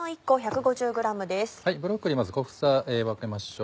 ブロッコリーまず小房分けましょう。